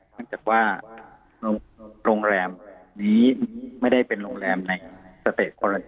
มันจากว่าโรงแรมนี้ไม่ได้เป็นโรงแรมในนะครับ